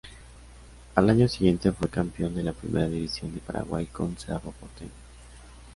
Al año siguiente fue campeón de la Primera División de Paraguay con Cerro Porteño.